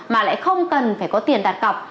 mà lại không cần phải có tiền đặt cọc